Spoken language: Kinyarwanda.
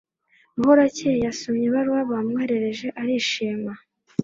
muhorakeye yasomye ibaruwa bamwohereje arishima.